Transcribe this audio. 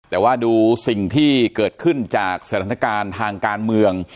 ไม่ว่าดูสิ่งที่เกิดขึ้นจากศาลรัฐกาลทางการเมือง